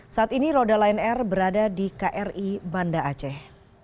saat ini roda line air berada di kri banda aceh